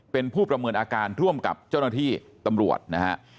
เป็นผู้ประเมินอาการร่วมกับเจ้าหน้าที่ตำรวจนะฮะ